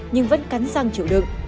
nhưng vẫn cắn răng chịu đựng